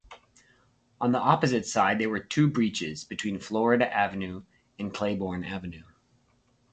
On the opposite side, there were two breaches between Florida Avenue and Claiborne Avenue.